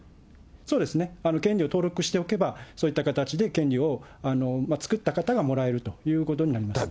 そうですね、権利を登録しておけば、そういった形で権利を作った方がもらえるということになります。